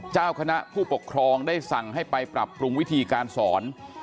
เจ้าคณะผู้ปกครองได้สั่งให้ไปปรับปรุงวิธีการสอน